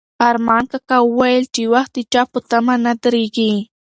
ارمان کاکا وویل چې وخت د چا په تمه نه درېږي.